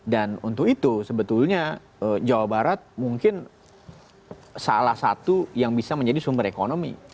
dan untuk itu sebetulnya jawa barat mungkin salah satu yang bisa menjadi sumber ekonomi